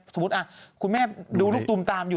สมมุติคุณแม่ดูลูกตูมตามอยู่